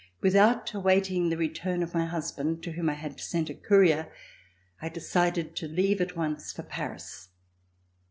Without awaiting the return of my husband to whom I sent a courier, I decided to leave at once for Paris.